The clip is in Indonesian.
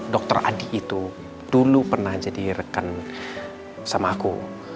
dokter adi itu dulu pernah jadi rekan sama aku